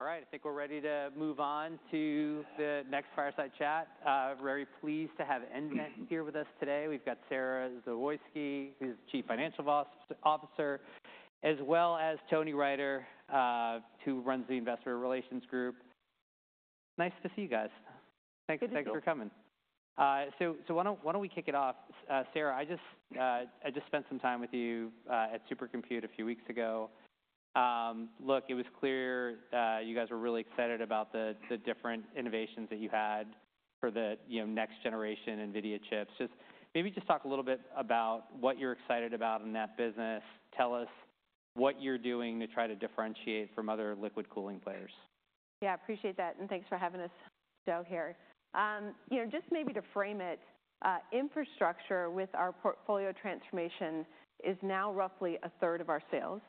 All right, I think we're ready to move on to the next fireside chat. Very pleased to have nVent here with us today. We've got Sara Zawoyski, who's the Chief Financial Officer, as well as Tony Renders, who runs the Investor Relations Group. Nice to see you guys. Thanks for coming. So why don't we kick it off? Sara, I just spent some time with you at Supercomputing a few weeks ago. Look, it was clear you guys were really excited about the different innovations that you had for the next generation NVIDIA chips. Maybe just talk a little bit about what you're excited about in that business. Tell us what you're doing to try to differentiate from other liquid cooling players. Yeah, I appreciate that, and thanks for having us show here. Just maybe to frame it, infrastructure with our portfolio transformation is now roughly a third of our sales,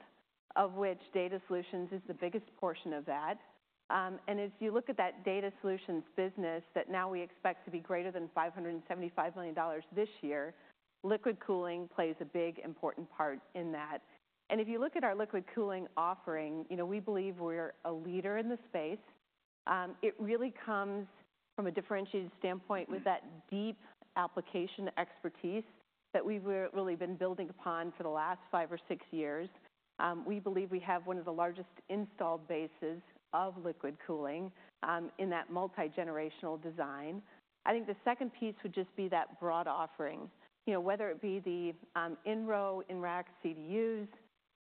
of which data solutions is the biggest portion of that. And as you look at that data solutions business that now we expect to be greater than $575 million this year, liquid cooling plays a big important part in that. And if you look at our liquid cooling offering, we believe we're a leader in the space. It really comes from a differentiated standpoint with that deep application expertise that we've really been building upon for the last five or six years. We believe we have one of the largest installed bases of liquid cooling in that multi-generational design. I think the second piece would just be that broad offering, whether it be the in-row, in-rack CDUs,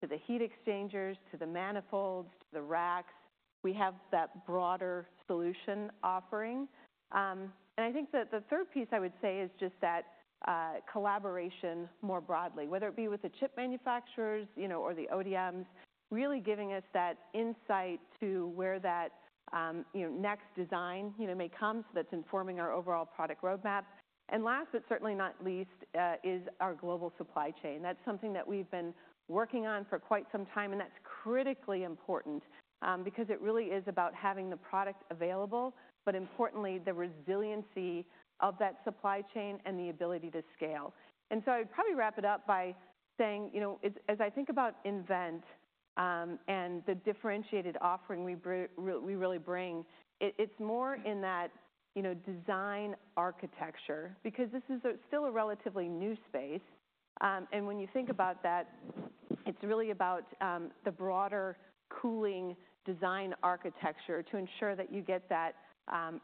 to the heat exchangers, to the manifolds, to the racks. We have that broader solution offering. And I think that the third piece I would say is just that collaboration more broadly, whether it be with the chip manufacturers or the ODMs, really giving us that insight to where that next design may come that's informing our overall product roadmap. And last, but certainly not least, is our global supply chain. That's something that we've been working on for quite some time, and that's critically important because it really is about having the product available, but importantly, the resiliency of that supply chain and the ability to scale. And so I would probably wrap it up by saying, as I think about nVent and the differentiated offering we really bring, it's more in that design architecture because this is still a relatively new space. And when you think about that, it's really about the broader cooling design architecture to ensure that you get that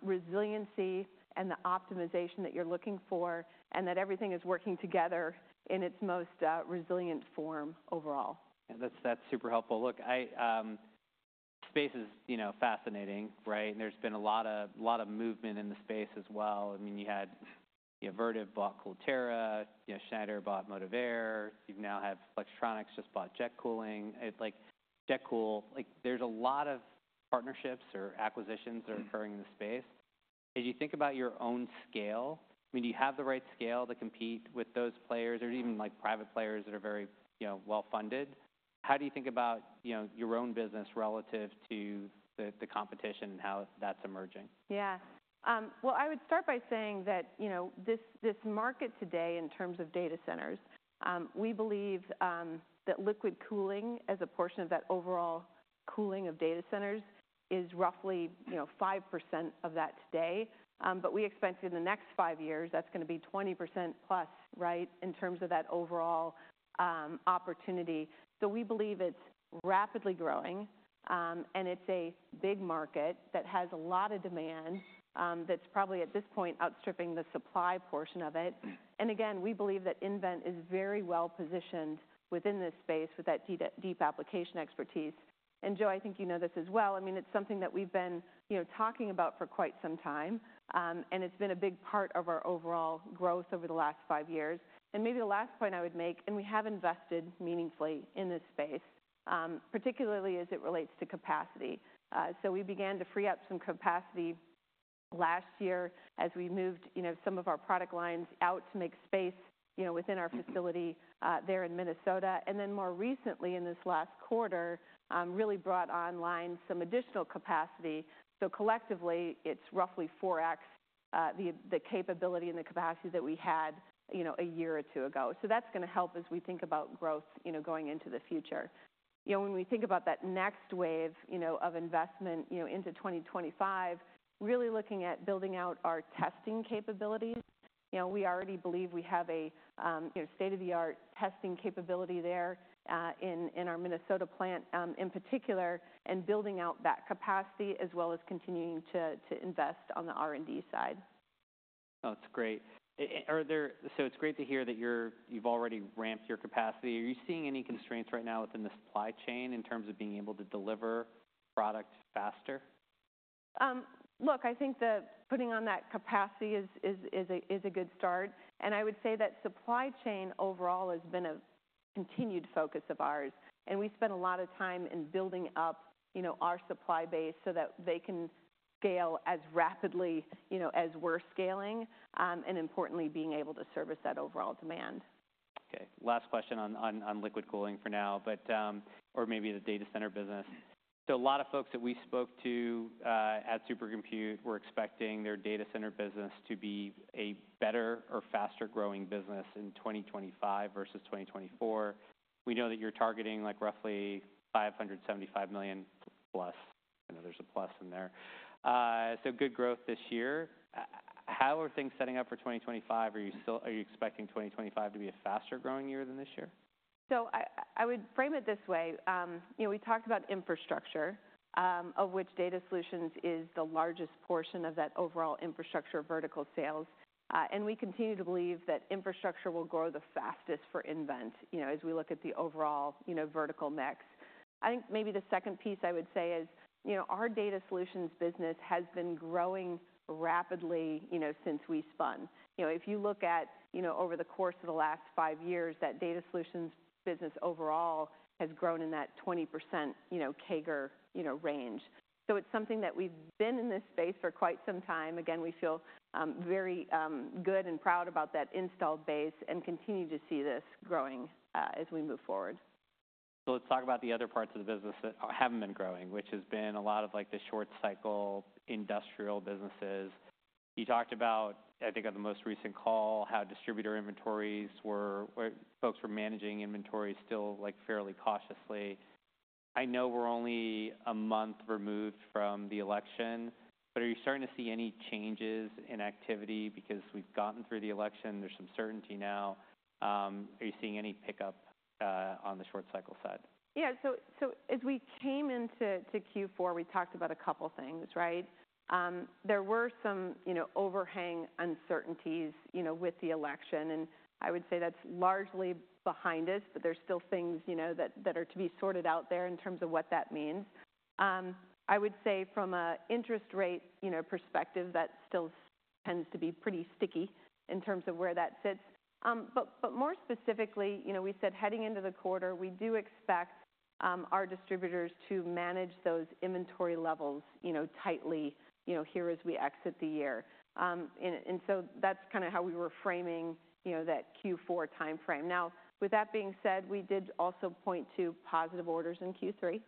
resiliency and the optimization that you're looking for and that everything is working together in its most resilient form overall. That's super helpful. Look, space is fascinating, right? There's been a lot of movement in the space as well. I mean, you had Vertiv bought CoolTera, Schneider Electric bought Motivair, you now have Flex just bought JetCool. There's a lot of partnerships or acquisitions that are occurring in the space. As you think about your own scale, do you have the right scale to compete with those players or even private players that are very well-funded? How do you think about your own business relative to the competition and how that's emerging? Yeah. Well, I would start by saying that this market today, in terms of data centers, we believe that liquid cooling as a portion of that overall cooling of data centers is roughly 5% of that today. But we expect in the next five years that's going to be 20% plus, right, in terms of that overall opportunity. So we believe it's rapidly growing, and it's a big market that has a lot of demand that's probably at this point outstripping the supply portion of it. And again, we believe that nVent is very well positioned within this space with that deep application expertise. And Joe, I think you know this as well. I mean, it's something that we've been talking about for quite some time, and it's been a big part of our overall growth over the last five years. And maybe the last point I would make, and we have invested meaningfully in this space, particularly as it relates to capacity. So we began to free up some capacity last year as we moved some of our product lines out to make space within our facility there in Minnesota. And then more recently, in this last quarter, really brought online some additional capacity. So collectively, it's roughly four times the capability and the capacity that we had a year or two ago. So that's going to help as we think about growth going into the future. When we think about that next wave of investment into 2025, really looking at building out our testing capabilities. We already believe we have a state-of-the-art testing capability there in our Minnesota plant in particular and building out that capacity as well as continuing to invest on the R&D side. That's great. So it's great to hear that you've already ramped your capacity. Are you seeing any constraints right now within the supply chain in terms of being able to deliver product faster? Look, I think that putting on that capacity is a good start. And I would say that supply chain overall has been a continued focus of ours. And we spent a lot of time in building up our supply base so that they can scale as rapidly as we're scaling and, importantly, being able to service that overall demand. Okay. Last question on liquid cooling for now, or maybe the data center business. So a lot of folks that we spoke to at Supercomputing were expecting their data center business to be a better or faster growing business in 2025 versus 2024. We know that you're targeting roughly $575 million plus. I know there's a plus in there. So good growth this year. How are things setting up for 2025? Are you expecting 2025 to be a faster growing year than this year? I would frame it this way. We talked about infrastructure, of which data solutions is the largest portion of that overall infrastructure vertical sales. And we continue to believe that infrastructure will grow the fastest for nVent as we look at the overall vertical mix. I think maybe the second piece I would say is our data solutions business has been growing rapidly since we spun. If you look at over the course of the last five years, that data solutions business overall has grown in that 20% CAGR range. So it's something that we've been in this space for quite some time. Again, we feel very good and proud about that installed base and continue to see this growing as we move forward. So let's talk about the other parts of the business that haven't been growing, which has been a lot of the short cycle industrial businesses. You talked about, I think on the most recent call, how distributor inventories were. Folks were managing inventory still fairly cautiously. I know we're only a month removed from the election, but are you starting to see any changes in activity because we've gotten through the election? There's some certainty now. Are you seeing any pickup on the short cycle side? Yeah. So as we came into Q4, we talked about a couple of things, right? There were some overhang uncertainties with the election, and I would say that's largely behind us, but there's still things that are to be sorted out there in terms of what that means. I would say from an interest rate perspective, that still tends to be pretty sticky in terms of where that sits. But more specifically, we said heading into the quarter, we do expect our distributors to manage those inventory levels tightly here as we exit the year. And so that's kind of how we were framing that Q4 timeframe. Now, with that being said, we did also point to positive orders in Q3.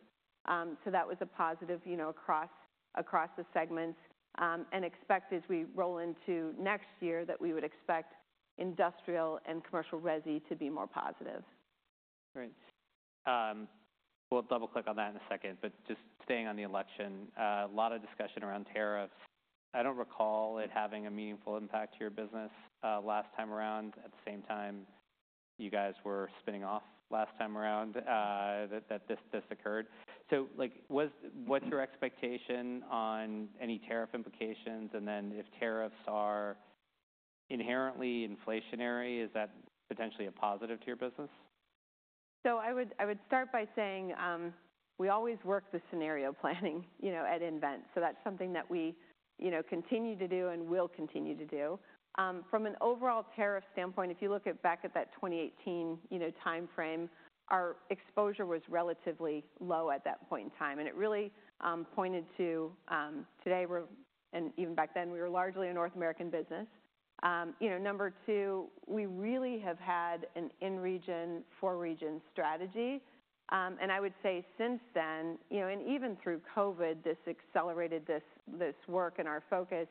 So that was a positive across the segments and expect as we roll into next year that we would expect industrial and commercial resi to be more positive. Great. We'll double-click on that in a second, but just staying on the election, a lot of discussion around tariffs. I don't recall it having a meaningful impact to your business last time around. At the same time, you guys were spinning off last time around that this occurred. So what's your expectation on any tariff implications? And then if tariffs are inherently inflationary, is that potentially a positive to your business? So I would start by saying we always work the scenario planning at nVent. So that's something that we continue to do and will continue to do. From an overall tariff standpoint, if you look back at that 2018 timeframe, our exposure was relatively low at that point in time. And it really pointed to today, and even back then, we were largely a North American business. Number two, we really have had an in-region, for-region strategy. And I would say since then, and even through COVID, this accelerated this work and our focus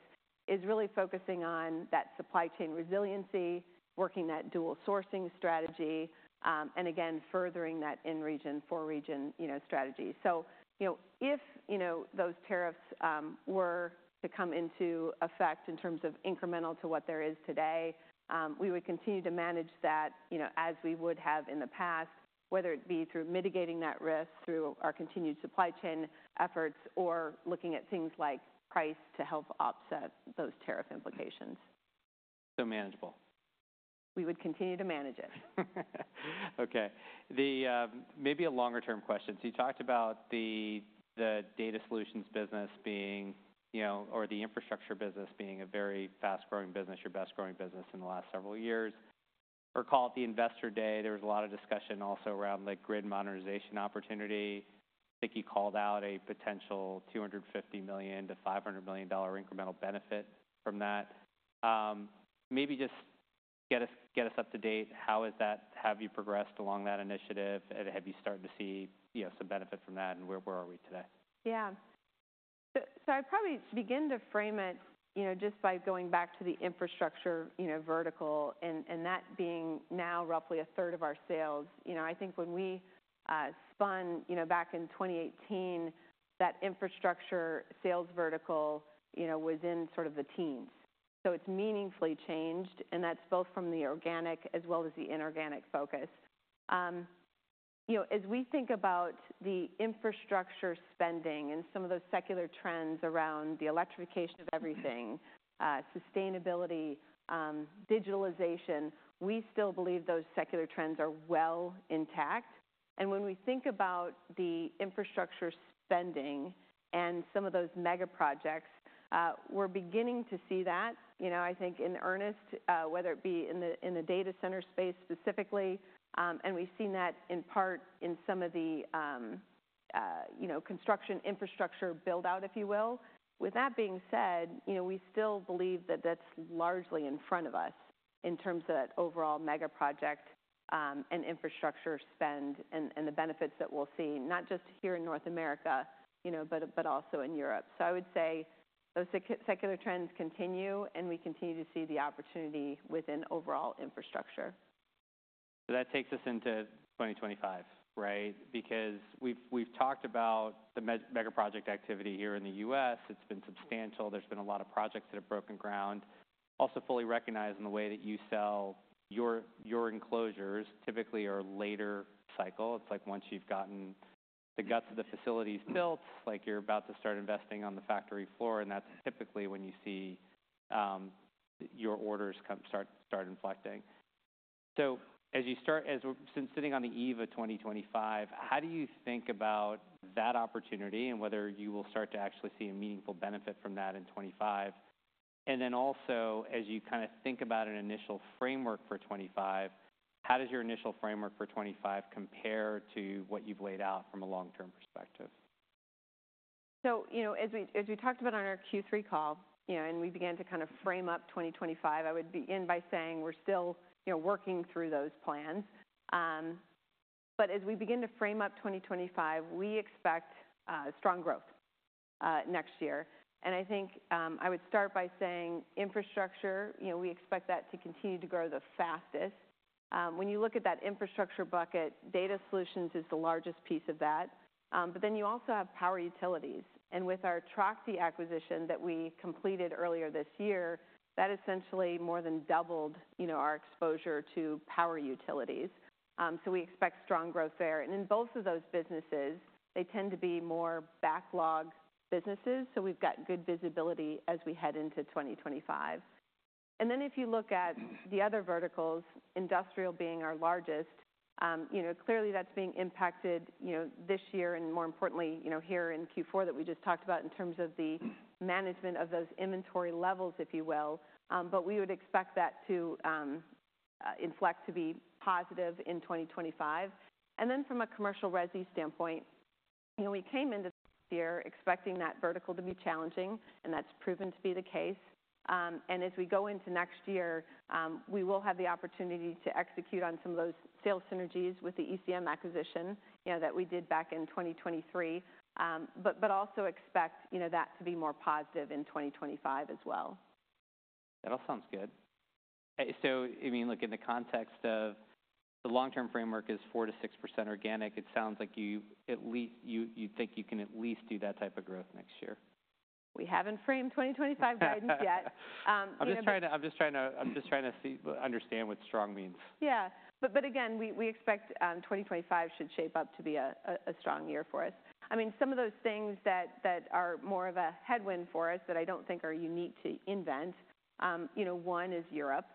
is really focusing on that supply chain resiliency, working that dual sourcing strategy, and again, furthering that in-region, for-region strategy. So if those tariffs were to come into effect in terms of incremental to what there is today, we would continue to manage that as we would have in the past, whether it be through mitigating that risk through our continued supply chain efforts or looking at things like price to help offset those tariff implications. So manageable. We would continue to manage it. Okay. Maybe a longer-term question. So you talked about the data solutions business being or the infrastructure business being a very fast-growing business, your best-growing business in the last several years. Recall at the investor day, there was a lot of discussion also around the grid modernization opportunity. I think you called out a potential $250 million-$500 million incremental benefit from that. Maybe just get us up to date. How have you progressed along that initiative? Have you started to see some benefit from that, and where are we today? Yeah. So I'd probably begin to frame it just by going back to the infrastructure vertical and that being now roughly a third of our sales. I think when we spun back in 2018, that infrastructure sales vertical was in sort of the teens. So it's meaningfully changed, and that's both from the organic as well as the inorganic focus. As we think about the infrastructure spending and some of those secular trends around the electrification of everything, sustainability, digitalization, we still believe those secular trends are well intact. And when we think about the infrastructure spending and some of those mega projects, we're beginning to see that, I think, in earnest, whether it be in the data center space specifically. And we've seen that in part in some of the construction infrastructure build-out, if you will. With that being said, we still believe that that's largely in front of us in terms of that overall mega project and infrastructure spend and the benefits that we'll see, not just here in North America, but also in Europe, so I would say those secular trends continue, and we continue to see the opportunity within overall infrastructure. That takes us into 2025, right? Because we've talked about the mega project activity here in the U.S. It's been substantial. There's been a lot of projects that have broken ground. Also fully recognized in the way that you sell your enclosures typically are later cycle. It's like once you've gotten the guts of the facilities built, like you're about to start investing on the factory floor, and that's typically when you see your orders start inflecting. So as you start, as we're sitting on the eve of 2025, how do you think about that opportunity and whether you will start to actually see a meaningful benefit from that in 2025? And then also, as you kind of think about an initial framework for 2025, how does your initial framework for 2025 compare to what you've laid out from a long-term perspective? So as we talked about on our Q3 call, and we began to kind of frame up 2025, I would begin by saying we're still working through those plans. But as we begin to frame up 2025, we expect strong growth next year. And I think I would start by saying infrastructure, we expect that to continue to grow the fastest. When you look at that infrastructure bucket, data solutions is the largest piece of that. But then you also have power utilities. And with our Trachte acquisition that we completed earlier this year, that essentially more than doubled our exposure to power utilities. So we expect strong growth there. And in both of those businesses, they tend to be more backlog businesses. So we've got good visibility as we head into 2025. And then if you look at the other verticals, industrial being our largest, clearly that's being impacted this year and more importantly here in Q4 that we just talked about in terms of the management of those inventory levels, if you will. But we would expect that to inflect to be positive in 2025. And then from a commercial resi standpoint, we came into the year expecting that vertical to be challenging, and that's proven to be the case. And as we go into next year, we will have the opportunity to execute on some of those sales synergies with the ECM acquisition that we did back in 2023, but also expect that to be more positive in 2025 as well. That all sounds good. So I mean, look, in the context of the long-term framework is 4%-6% organic, it sounds like you think you can at least do that type of growth next year. We haven't framed 2025 guidance yet. I'm just trying to understand what strong means. Yeah. But again, we expect 2025 should shape up to be a strong year for us. I mean, some of those things that are more of a headwind for us that I don't think are unique to nVent, one is Europe.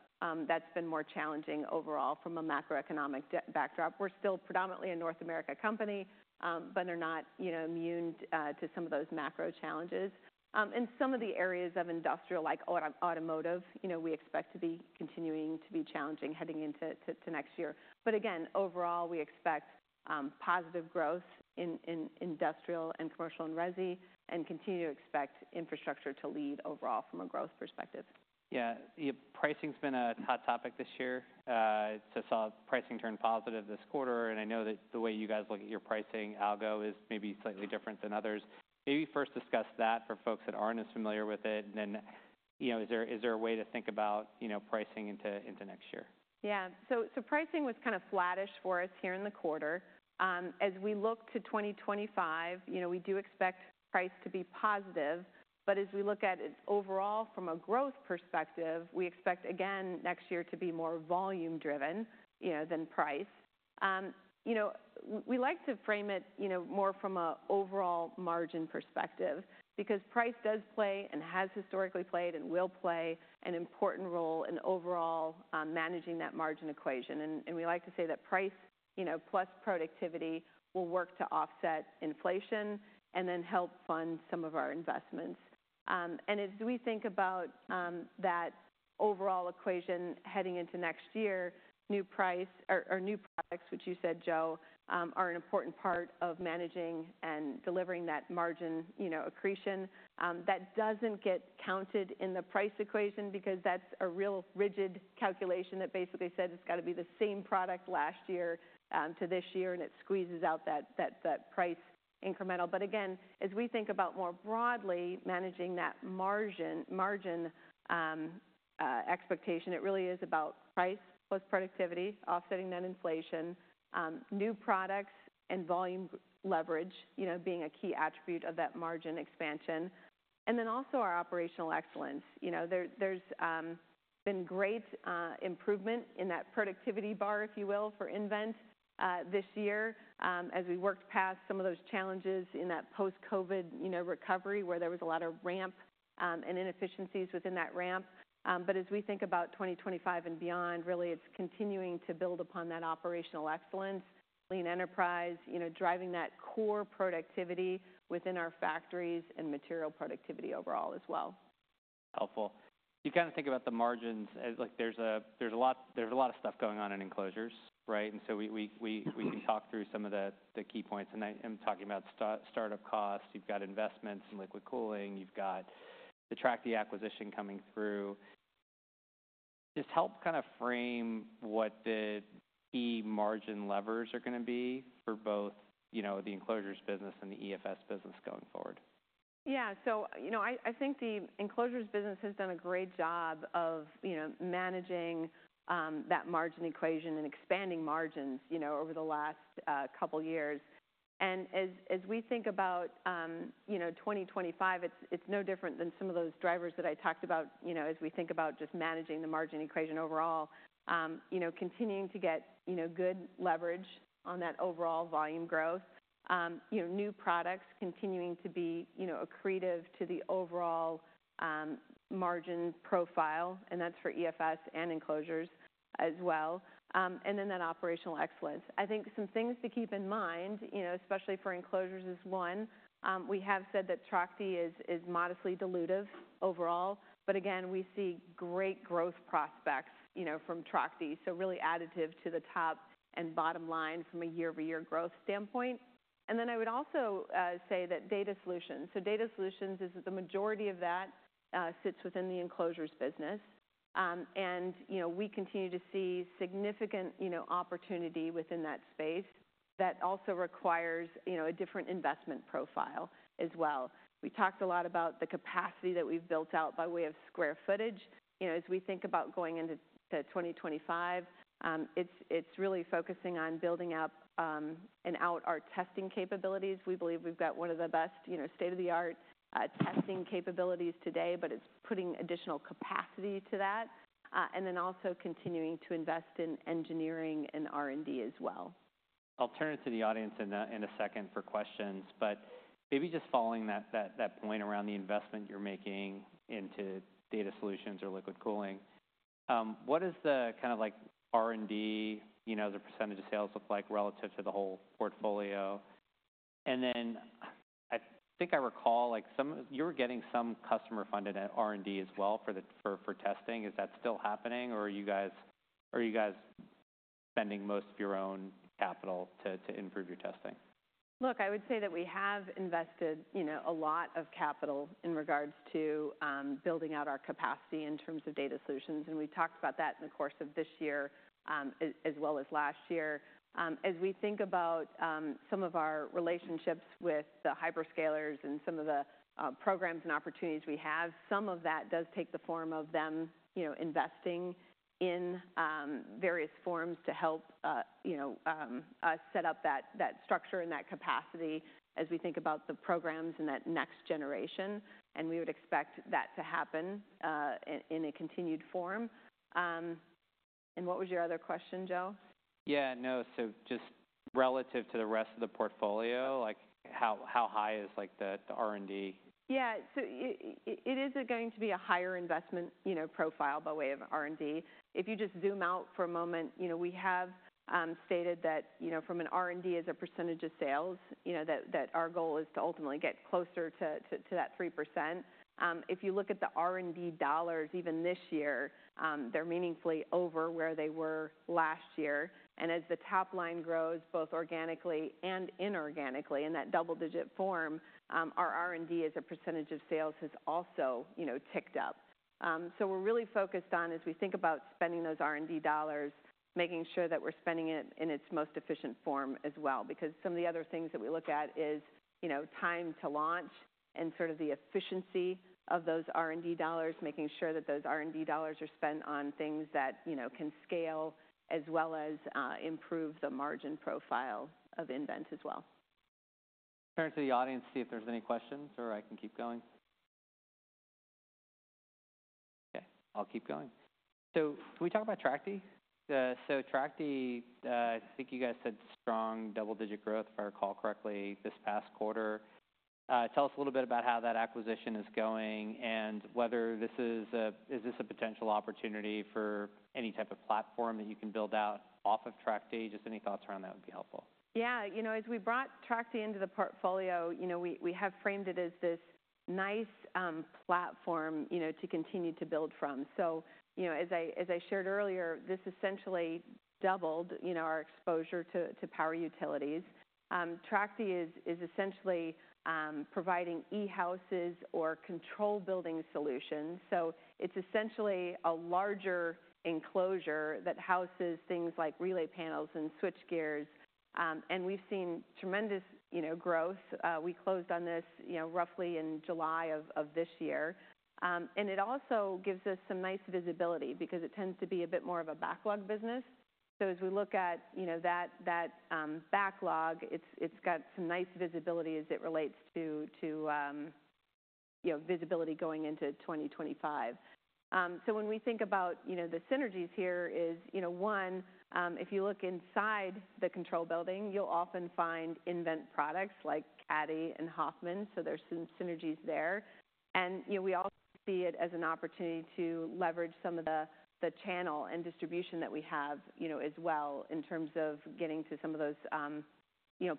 That's been more challenging overall from a macroeconomic backdrop. We're still predominantly a North America company, but they're not immune to some of those macro challenges. And some of the areas of industrial, like automotive, we expect to be continuing to be challenging heading into next year. But again, overall, we expect positive growth in industrial and commercial and resi and continue to expect infrastructure to lead overall from a growth perspective. Yeah. Pricing has been a hot topic this year, so I saw pricing turn positive this quarter. I know that the way you guys look at your pricing, Algo, is maybe slightly different than others. Maybe first discuss that for folks that aren't as familiar with it, and then is there a way to think about pricing into next year? Yeah. So pricing was kind of flattish for us here in the quarter. As we look to 2025, we do expect price to be positive. But as we look at it overall from a growth perspective, we expect, again, next year to be more volume-driven than price. We like to frame it more from an overall margin perspective because price does play and has historically played and will play an important role in overall managing that margin equation. And we like to say that price plus productivity will work to offset inflation and then help fund some of our investments. And as we think about that overall equation heading into next year, new price or new products, which you said, Joe, are an important part of managing and delivering that margin accretion. That doesn't get counted in the price equation because that's a real rigid calculation that basically said it's got to be the same product last year to this year, and it squeezes out that price incremental. But again, as we think about more broadly managing that margin expectation, it really is about price plus productivity offsetting that inflation, new products, and volume leverage being a key attribute of that margin expansion. And then also our operational excellence. There's been great improvement in that productivity bar, if you will, for nVent this year as we worked past some of those challenges in that post-COVID recovery where there was a lot of ramp and inefficiencies within that ramp. But as we think about 2025 and beyond, really, it's continuing to build upon that operational excellence, lean enterprise, driving that core productivity within our factories and material productivity overall as well. Helpful. You kind of think about the margins. There's a lot of stuff going on in enclosures, right? And so we can talk through some of the key points. And I'm talking about startup costs. You've got investments in liquid cooling. You've got the Trachte acquisition coming through. Just help kind of frame what the key margin levers are going to be for both the enclosures business and the EFS business going forward. Yeah. So I think the enclosures business has done a great job of managing that margin equation and expanding margins over the last couple of years. And as we think about 2025, it's no different than some of those drivers that I talked about as we think about just managing the margin equation overall, continuing to get good leverage on that overall volume growth, new products continuing to be accretive to the overall margin profile. And that's for EFS and enclosures as well. And then that operational excellence. I think some things to keep in mind, especially for enclosures is one, we have said that Trachte is modestly dilutive overall. But again, we see great growth prospects from Trachte, so really additive to the top and bottom line from a year-over-year growth standpoint. And then I would also say that data solutions. Data solutions is that the majority of that sits within the enclosures business. We continue to see significant opportunity within that space that also requires a different investment profile as well. We talked a lot about the capacity that we've built out by way of square footage. As we think about going into 2025, it's really focusing on building out our testing capabilities. We believe we've got one of the best state-of-the-art testing capabilities today, but it's putting additional capacity to that and then also continuing to invest in engineering and R&D as well. I'll turn it to the audience in a second for questions. But maybe just following that point around the investment you're making into data solutions or liquid cooling, what does the kind of R&D, the percentage of sales look like relative to the whole portfolio? And then I think I recall you were getting some customer-funded R&D as well for testing. Is that still happening, or are you guys spending most of your own capital to improve your testing? Look, I would say that we have invested a lot of capital in regards to building out our capacity in terms of data solutions. And we talked about that in the course of this year as well as last year. As we think about some of our relationships with the hyperscalers and some of the programs and opportunities we have, some of that does take the form of them investing in various forms to help us set up that structure and that capacity as we think about the programs and that next generation. And we would expect that to happen in a continued form. And what was your other question, Joe? Yeah. No. So just relative to the rest of the portfolio, how high is the R&D? Yeah. So it is going to be a higher investment profile by way of R&D. If you just zoom out for a moment, we have stated that from an R&D as a percentage of sales, that our goal is to ultimately get closer to that 3%. If you look at the R&D dollars, even this year, they're meaningfully over where they were last year. And as the top line grows both organically and inorganically in that double-digit form, our R&D as a percentage of sales has also ticked up. So we're really focused on, as we think about spending those R&D dollars, making sure that we're spending it in its most efficient form as well. Because some of the other things that we look at is time to launch and sort of the efficiency of those R&D dollars, making sure that those R&D dollars are spent on things that can scale as well as improve the margin profile of nVent as well. Turn to the audience, see if there's any questions, or I can keep going. Okay. I'll keep going. So can we talk about Trachte? So Trachte, I think you guys said strong double-digit growth, if I recall correctly, this past quarter. Tell us a little bit about how that acquisition is going and whether this is a potential opportunity for any type of platform that you can build out off of Trachte. Just any thoughts around that would be helpful. Yeah. As we brought Trachte into the portfolio, we have framed it as this nice platform to continue to build from. So as I shared earlier, this essentially doubled our exposure to power utilities. Trachte is essentially providing E-houses or control building solutions. So it's essentially a larger enclosure that houses things like relay panels and switchgear. And we've seen tremendous growth. We closed on this roughly in July of this year. And it also gives us some nice visibility because it tends to be a bit more of a backlog business. So as we look at that backlog, it's got some nice visibility as it relates to visibility going into 2025. So when we think about the synergies here is, one, if you look inside the control building, you'll often find nVent products like CADDY and HOFFMAN. So there's some synergies there. And we also see it as an opportunity to leverage some of the channel and distribution that we have as well in terms of getting to some of those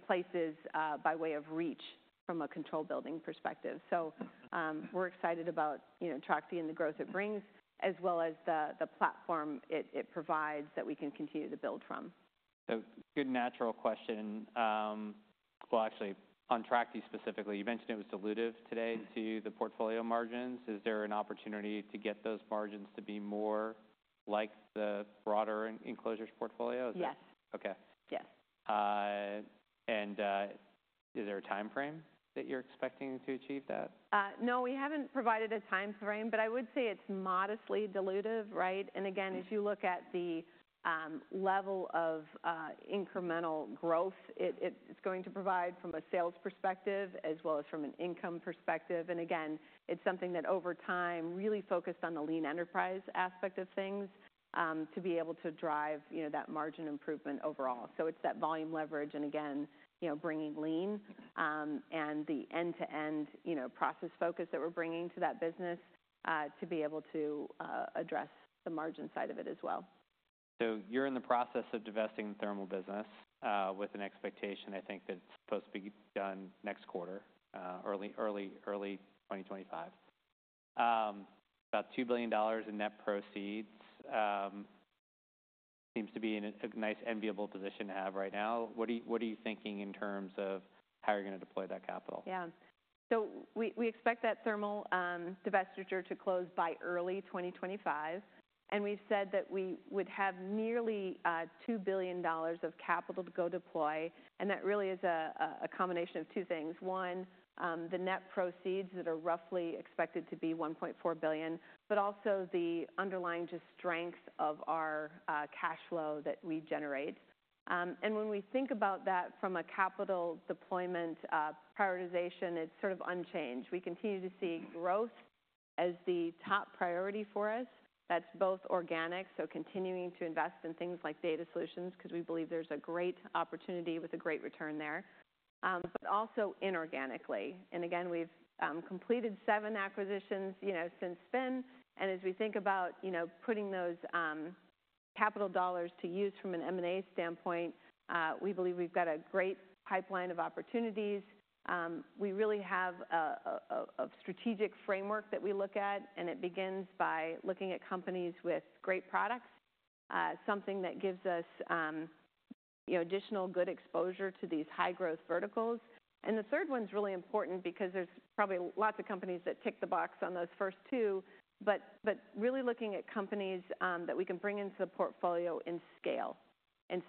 places by way of reach from a control building perspective. So we're excited about Trachte and the growth it brings as well as the platform it provides that we can continue to build from. So, good natural question. Well, actually, on Trachte specifically, you mentioned it was dilutive today to the portfolio margins. Is there an opportunity to get those margins to be more like the broader enclosures portfolio? Yes. Okay, and is there a time frame that you're expecting to achieve that? No, we haven't provided a time frame, but I would say it's modestly dilutive, right? And again, as you look at the level of incremental growth, it's going to provide from a sales perspective as well as from an income perspective. And again, it's something that over time really focused on the lean enterprise aspect of things to be able to drive that margin improvement overall. So it's that volume leverage and again, bringing lean and the end-to-end process focus that we're bringing to that business to be able to address the margin side of it as well. So you're in the process of divesting the thermal business with an expectation, I think, that's supposed to be done next quarter, early 2025. About $2 billion in net proceeds seems to be a nice enviable position to have right now. What are you thinking in terms of how you're going to deploy that capital? Yeah, so we expect that thermal divestiture to close by early 2025, and we've said that we would have nearly $2 billion of capital to go deploy, and that really is a combination of two things. One, the net proceeds that are roughly expected to be $1.4 billion, but also the underlying just strength of our cash flow that we generate, and when we think about that from a capital deployment prioritization, it's sort of unchanged. We continue to see growth as the top priority for us. That's both organic, so continuing to invest in things like data solutions because we believe there's a great opportunity with a great return there, but also inorganically, and again, we've completed seven acquisitions since then, and as we think about putting those capital dollars to use from an M&A standpoint, we believe we've got a great pipeline of opportunities. We really have a strategic framework that we look at, and it begins by looking at companies with great products, something that gives us additional good exposure to these high-growth verticals. And the third one's really important because there's probably lots of companies that tick the box on those first two, but really looking at companies that we can bring into the portfolio and scale and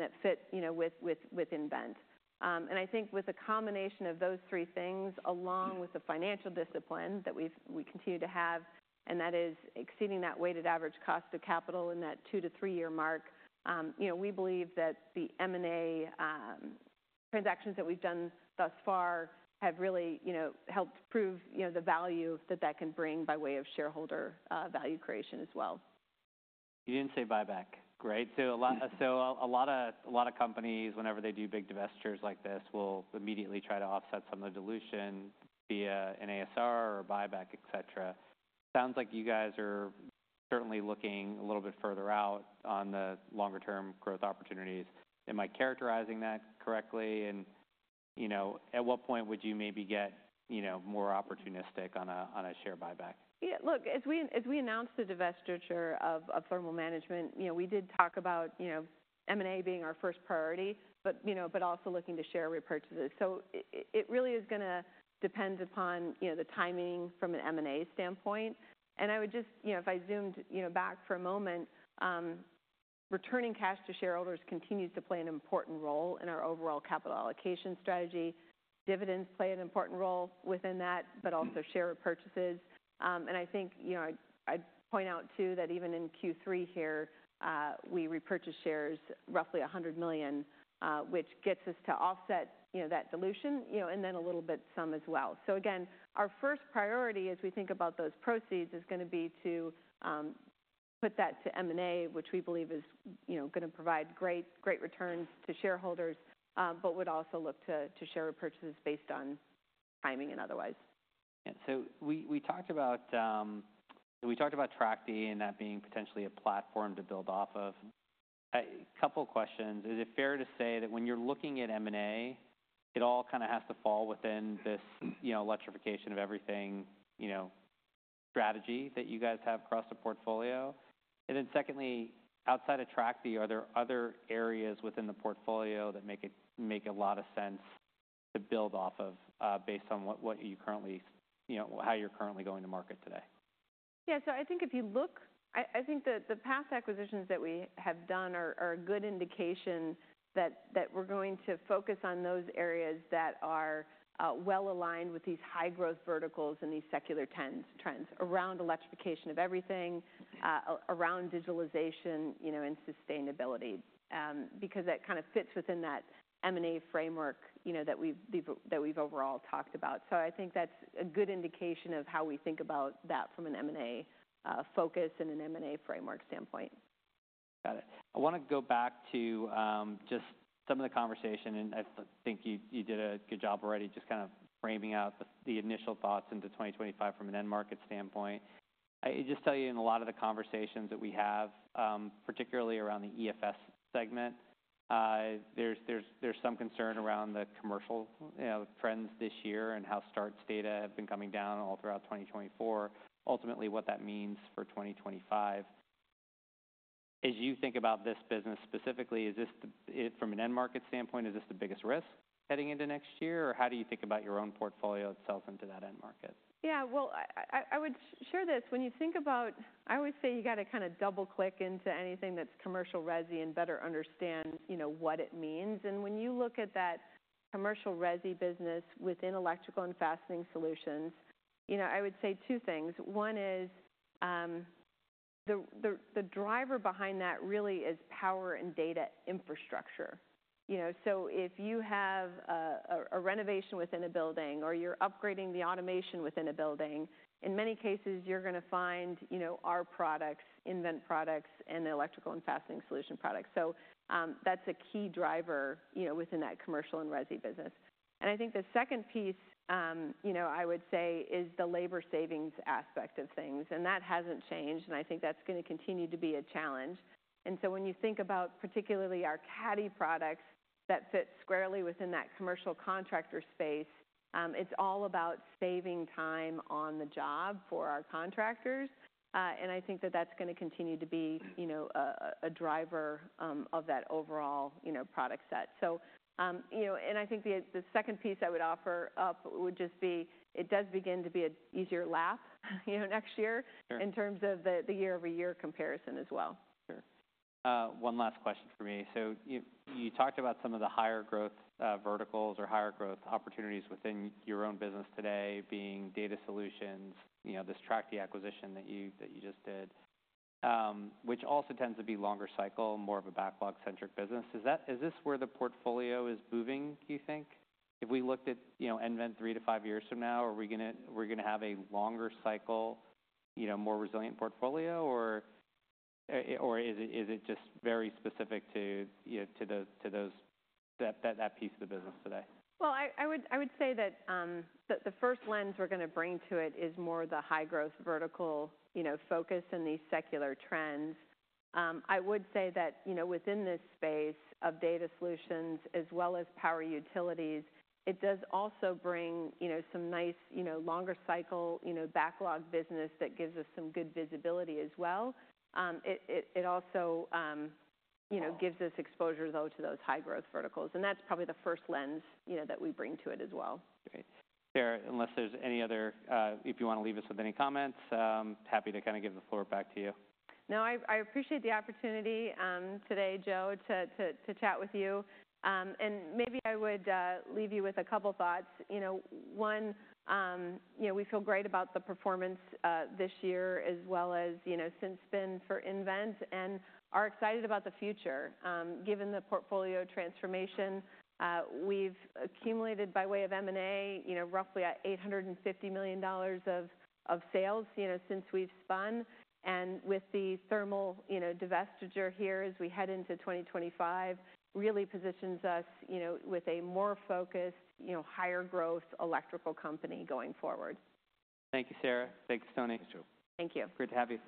that fit with nVent. And I think with a combination of those three things along with the financial discipline that we continue to have, and that is exceeding that weighted average cost of capital in that two to three-year mark, we believe that the M&A transactions that we've done thus far have really helped prove the value that that can bring by way of shareholder value creation as well. You didn't say buyback, right? So a lot of companies, whenever they do big divestitures like this, will immediately try to offset some of the dilution via an ASR or buyback, etc. Sounds like you guys are certainly looking a little bit further out on the longer-term growth opportunities. Am I characterizing that correctly? And at what point would you maybe get more opportunistic on a share buyback? Yeah. Look, as we announced the divestiture of thermal management, we did talk about M&A being our first priority, but also looking to share repurchases. So it really is going to depend upon the timing from an M&A standpoint. And I would just, if I zoomed back for a moment, returning cash to shareholders continues to play an important role in our overall capital allocation strategy. Dividends play an important role within that, but also share repurchases. And I think I'd point out too that even in Q3 here, we repurchased shares, roughly $100 million, which gets us to offset that dilution and then a little bit some as well. So again, our first priority as we think about those proceeds is going to be to put that to M&A, which we believe is going to provide great returns to shareholders, but would also look to share repurchases based on timing and otherwise. Yeah. So we talked about Trachte and that being potentially a platform to build off of. A couple of questions. Is it fair to say that when you're looking at M&A, it all kind of has to fall within this electrification of everything strategy that you guys have across the portfolio? And then secondly, outside of Trachte, are there other areas within the portfolio that make a lot of sense to build off of based on how you're currently going to market today? Yeah, so I think if you look, I think the past acquisitions that we have done are a good indication that we're going to focus on those areas that are well-aligned with these high-growth verticals and these secular trends around electrification of everything, around digitalization and sustainability because that kind of fits within that M&A framework that we've overall talked about. So I think that's a good indication of how we think about that from an M&A focus and an M&A framework standpoint. Got it. I want to go back to just some of the conversation. And I think you did a good job already just kind of framing out the initial thoughts into 2025 from an end market standpoint. I just tell you in a lot of the conversations that we have, particularly around the EFS segment, there's some concern around the commercial trends this year and how starts data have been coming down all throughout 2024, ultimately what that means for 2025. As you think about this business specifically, from an end market standpoint, is this the biggest risk heading into next year? Or how do you think about your own portfolio itself into that end market? Yeah. Well, I would share this. When you think about, I always say you got to kind of double-click into anything that's commercial resi and better understand what it means. And when you look at that commercial resi business within electrical and fastening solutions, I would say two things. One is the driver behind that really is power and data infrastructure. So if you have a renovation within a building or you're upgrading the automation within a building, in many cases, you're going to find our products, nVent products, and the electrical and fastening solution products. So that's a key driver within that commercial and resi business. And I think the second piece, I would say, is the labor savings aspect of things. And that hasn't changed. And I think that's going to continue to be a challenge. And so when you think about particularly our CADDY products that fit squarely within that commercial contractor space, it's all about saving time on the job for our contractors. And I think that that's going to continue to be a driver of that overall product set. And I think the second piece I would offer up would just be it does begin to be an easier lap next year in terms of the year-over-year comparison as well. Sure. One last question for me. So you talked about some of the higher growth verticals or higher growth opportunities within your own business today being data solutions, this Trachtebusiness. Is this where the portfolio is moving, do you think? If we looked at nVent three to acquisition that you just did, which also tends to be longer cycle, more of a backlog-centric five years from now, are we going to have a longer cycle, more resilient portfolio? Or is it just very specific to that piece of the business today? I would say that the first lens we're going to bring to it is more the high-growth vertical focus and these secular trends. I would say that within this space of data solutions as well as power utilities, it does also bring some nice longer cycle backlog business that gives us some good visibility as well. It also gives us exposure, though, to those high-growth verticals. That's probably the first lens that we bring to it as well. Great. Unless there's any other, if you want to leave us with any comments, happy to kind of give the floor back to you. No, I appreciate the opportunity today, Joe, to chat with you. Maybe I would leave you with a couple of thoughts. One, we feel great about the performance this year as well as since we've been for nVent and are excited about the future. Given the portfolio transformation, we've accumulated by way of M&A roughly $850 million of sales since we've spun. With the thermal divestiture here as we head into 2025, really positions us with a more focused, higher-growth electrical company going forward. Thank you, Sara. Thanks, Tony. Thank you. Great to have you.